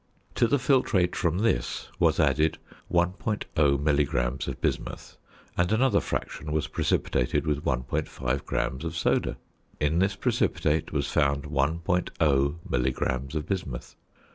To the filtrate from this was added 1.0 milligram of bismuth, and another fraction was precipitated with 1.5 gram of "soda." In this precipitate was found 1.0 milligram of bismuth.